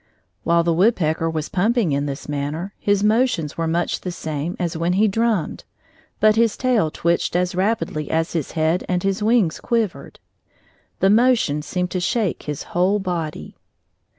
While the woodpecker was pumping in this manner his motions were much the same as when he drummed, but his tail twitched as rapidly as his head and his wings quivered. The motion seemed to shake his whole body.